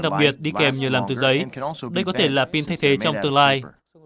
đặc biệt đi kèm nhờ làm từ giấy đây có thể là pin thay thế trong tương lai